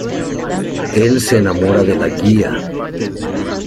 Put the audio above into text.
Él se enamora de la guía.